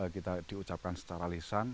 kita diucapkan secara lisan